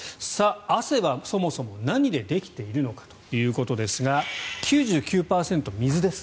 汗はそもそも何でできているのかということですが９９％水です。